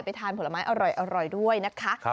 ทานผลไม้อร่อยด้วยนะคะ